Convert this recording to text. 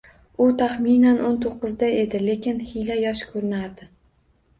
U taxminan o`n to`kqizda edi, lekin hiyla yosh ko`rinardi